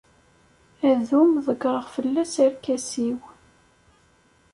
Adum, ḍeggreɣ fell-as arkas-iw.